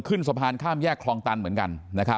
ขึ้นสะพานข้ามแยกคลองตันเหมือนกัน